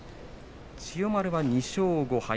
千代丸は２勝５敗。